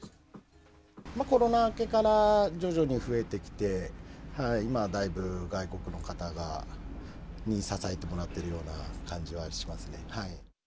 コロナ明けから徐々に増えてきて、今、だいぶ外国の方に支えてもらってるような感じはしますね。